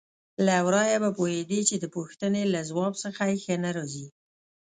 له ورايه به پوهېدې چې د پوښتنې له ځواب څخه یې ښه نه راځي.